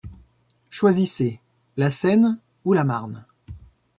Choisissez : la Seine, ou la Marne ?